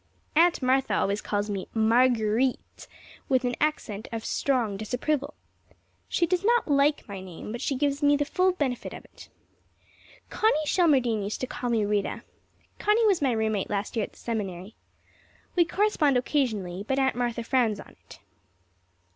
Aunt Martha always calls me Marguer_ite_, with an accent of strong disapproval. She does not like my name, but she gives me the full benefit of it. Connie Shelmardine used to call me Rita. Connie was my roommate last year at the Seminary. We correspond occasionally, but Aunt Martha frowns on it.